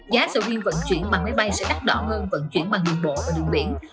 giá dầu die vận chuyển bằng máy bay sẽ đắt đỏ hơn vận chuyển bằng đường bộ và đường biển